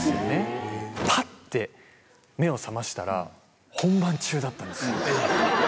パッて目を覚ましたら本番中だったんですよ。